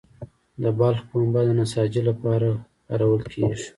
د بلخ پنبه د نساجي لپاره کارول کیږي